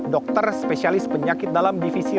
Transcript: dokter spesialis penyakit dalam divisi